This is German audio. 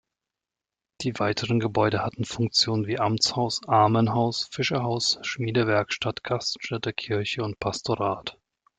Die weiteren Gebäude hatten Funktionen wie Amtshaus, Armenhaus, Fischerhaus, Schmiedewerkstatt, Gaststätte, Kirche und Pastorat.